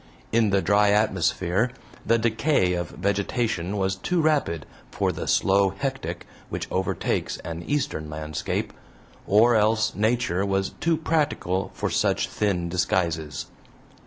In the dry atmosphere the decay of vegetation was too rapid for the slow hectic which overtakes an Eastern landscape, or else Nature was too practical for such thin disguises.